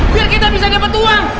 biar kita bisa dapat uang